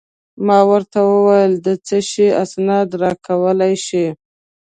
ما ورته وویل: د څه شي اسناد راکولای شې؟